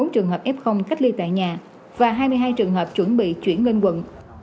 bốn trường hợp f cách ly tại nhà và hai mươi hai trường hợp chuẩn bị chuyển lên quận